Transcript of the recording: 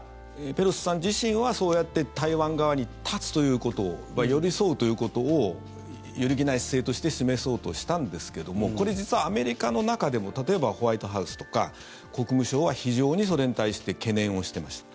ペロシさん自身はそうやって台湾側に立つということを寄り添うということを揺るぎない姿勢として示そうとしたんですけどもこれ、実はアメリカの中でも例えばホワイトハウスとか国務省は非常にそれに対して懸念をしてました。